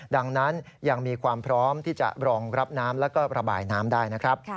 ดังนั้นยังมีความพร้อมที่จะรองรับน้ำแล้วก็ระบายน้ำได้นะครับ